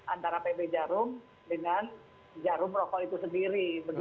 antara pb jarum dengan jarum rokok itu sendiri